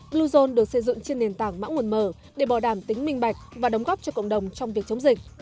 bluezone được xây dựng trên nền tảng mã nguồn mở để bảo đảm tính minh bạch và đóng góp cho cộng đồng trong việc chống dịch